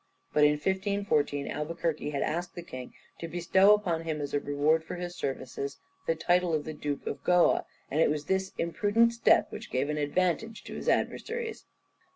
But in 1514 Albuquerque had asked the king to bestow upon him as a reward for his services the title of Duke of Goa, and it was this imprudent step which gave an advantage to his adversaries.